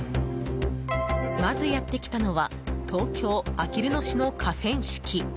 まず、やってきたのは東京・あきる野市の河川敷。